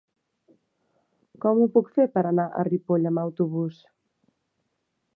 Com ho puc fer per anar a Ripoll amb autobús?